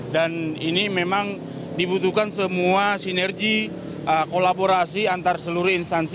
dan ini memang dibutuhkan semua sinergi kolaborasi antar seluruh instansi